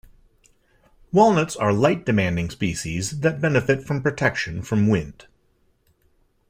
Walnuts are light-demanding species that benefit from protection from wind.